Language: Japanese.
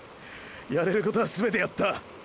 やれることは全てやった。